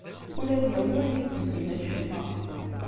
Ula d yiwen ur yettbeddil acemma.